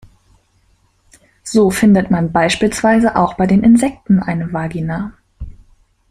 So findet man beispielsweise auch bei den Insekten eine Vagina.